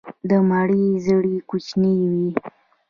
د مڼې زړې کوچنۍ وي.